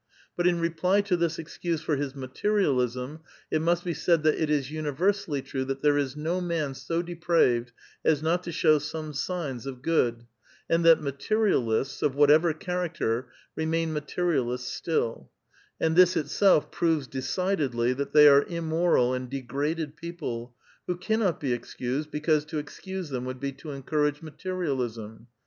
But in reply to this excuse for his ma terialism, it must l>e said that it is universallj' true that there is no man so depraved as not to show some signs of good, and that materialists, of whatever character, remain materi alists still ; and this itself proves decidedly that they are im moral and degraded ixjople, who cannot be excused, because to excuse them would be to encourage materialism.